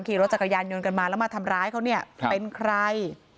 ขี่รถจักรยานยนต์กันมาแล้วมาทำร้ายเขาเนี่ยเป็นใคร